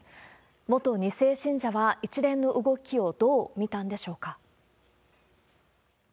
元２世信者は一連の動きをどう見たんでしょうか。